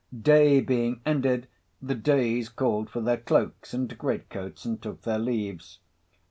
Day being ended, the Days called for their cloaks and great coats, and took their leaves.